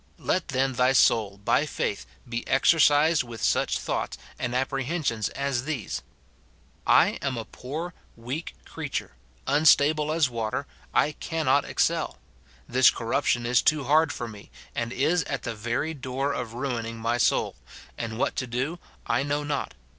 Let, then, thy soul by faith be exer cised with such thoughts and apprehensions as these: " I am a poor, weak creature ; unstable as water, I can * Luke XV. 17. t Isa. xl. 28 31. SIN IN BELIEVERS. 293 not excel. This corruption is too liard for me, and is at the very door of ruining my soul ; and what to do I know not.